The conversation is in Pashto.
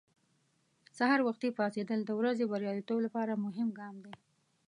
سهار وختي پاڅېدل د ورځې بریالیتوب لپاره مهم ګام دی.